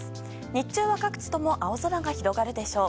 日中は各地とも青空が広がるでしょう。